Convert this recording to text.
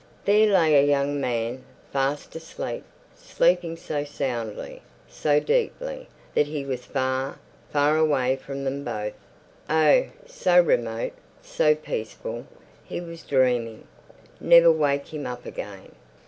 There lay a young man, fast asleep—sleeping so soundly, so deeply, that he was far, far away from them both. Oh, so remote, so peaceful. He was dreaming. Never wake him up again.